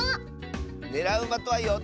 ねらうまとは４つ。